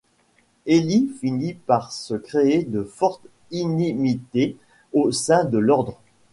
Élie finit par se créer de fortes inimités au sein de l'ordre.